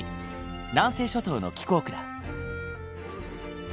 南西諸島の気候区だ。